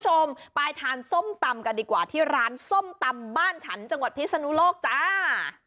คุณผู้ชมไปทานส้มตำกันดีกว่าที่ร้านส้มตำบ้านฉันจังหวัดพิศนุโลกจ้า